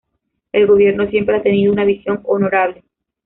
El Gobierno siempre ha tenido una visión honorable